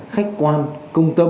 khách quan công tâm